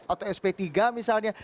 atau sp tiga misalnya